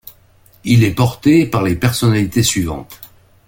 Il est porté par les personnalités suivantes.